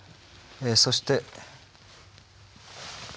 そして。